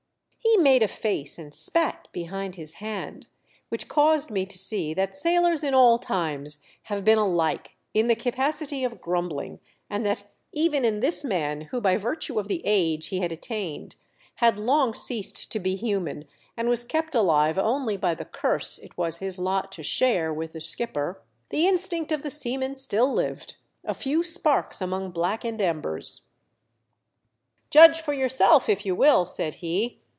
He made a face and spat behind his hand, which caused me to see that sailors in all times have been alike in the capacity of grumbling, and that even in this man, who by virtue of the age he had attained had long ceased to be human and was kept alive only by the Curse it was his lot to share with the skipper, the instincts of the seaman still lived, a few sparks among blackened embers. "Judge for yourself if you will," said he.